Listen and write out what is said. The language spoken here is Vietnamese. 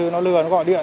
nó lừa gọi điện